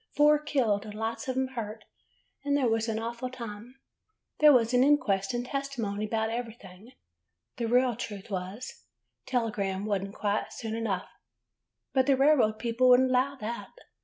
Four killed, and lots of 'em hurt, and there was an awful time ! There was an inquest and tes timony 'bout everything. The real truth was — telegram was n't quite soon enough ; but the railroad people would n't allow that.